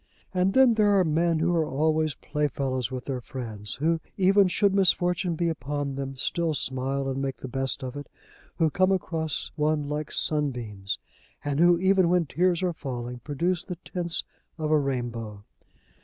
And then there are men who are always playfellows with their friends, who even should misfortune be upon them, still smile and make the best of it, who come across one like sunbeams, and who, even when tears are falling, produce the tints of a rainbow.